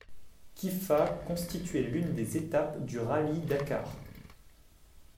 Kiffa constituait l'une des étapes du Rallye Dakar.